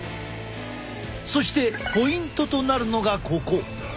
そしてポイントとなるのがここ。